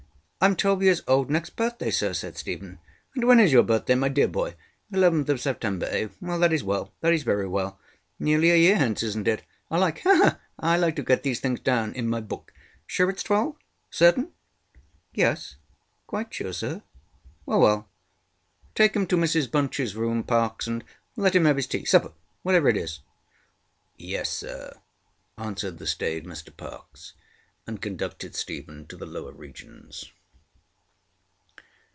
ŌĆ£IŌĆÖm twelve years old next birthday, sir, ŌĆØ said Stephen. ŌĆ£And when is your birthday, my dear boy? Eleventh of September, eh? ThatŌĆÖs wellŌĆöthatŌĆÖs very well. Nearly a year hence, isnŌĆÖt it? I likeŌĆöha, ha! ŌĆöI like to get these things down in my book. Sure itŌĆÖs twelve? Certain? ŌĆØ ŌĆ£Yes, quite sure, sir. ŌĆØ ŌĆ£Well, well! Take him to Mrs BunchŌĆÖs room, Parkes, and let him have his teaŌĆösupperŌĆöwhatever it is. ŌĆØ ŌĆ£Yes, sir, ŌĆØ answered the staid Mr Parkes; and conducted Stephen to the lower regions.